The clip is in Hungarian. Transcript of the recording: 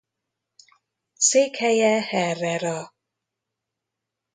Székhelye Herrera.